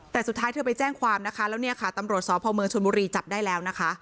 แต่สุดท้ายเธอไปแจ้งความแล้วตำรวจศพชวุรีจับได้แล้ว